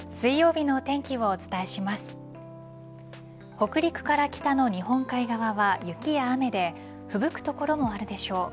北陸から北の日本海側は雪や雨でふぶく所もあるでしょう。